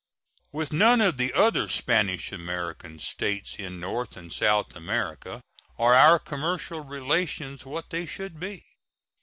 With none of the other Spanish American States in North and South America are our commercial relations what they should be.